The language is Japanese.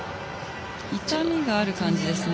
痛みがある感じですね。